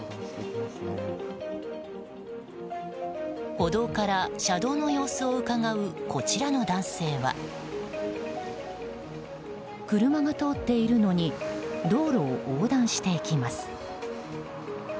歩道から車道の様子をうかがうこちらの男性は車が通っているのに道路を横断していきます。